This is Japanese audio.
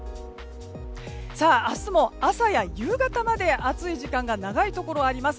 明日も朝や夕方まで暑い時間が長いところがあります。